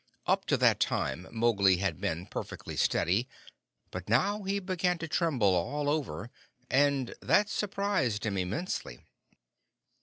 Up to that time Mowgli had been perfectly steady, but now he began to tremble all over, and that surprised him immensely.